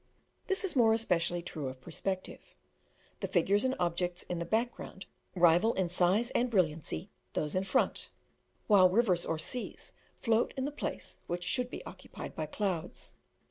This is more especially true of perspective. The figures and objects in the back ground rival in size and brilliancy those in front, while rivers or seas float in the place which should be occupied by clouds.